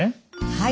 はい。